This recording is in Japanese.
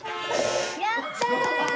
やった！